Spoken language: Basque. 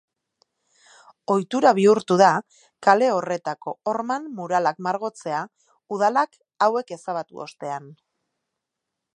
Ohitura bihurtu da kale horretako horman muralak margotzea, udalak hauek ezabatu ostean.